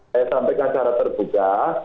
saya sampaikan secara terbuka